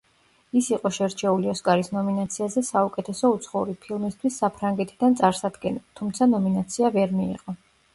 ის იყო შერჩეული ოსკარის ნომინაციაზე საუკეთესო უცხოური ფილმისთვის საფრანგეთიდან წარსადგენად, თუმცა ნომინაცია ვერ მიიღო.